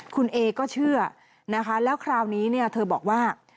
คุณเอก็เชื่อนะคะแล้วคราวนี้เนี่ยเธอบอกว่า